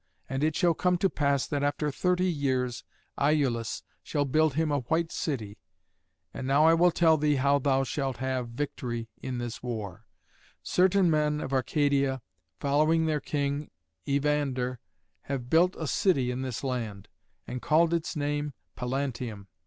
And it shall come to pass that after thirty years Iülus shall build him the White City. And now I will tell thee how thou shalt have victory in this war. Certain men of Arcadia, following their king, Evander, have built a city in this land, and called its name Pallantium.